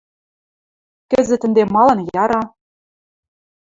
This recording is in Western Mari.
Кӹзӹт ӹнде малан яра?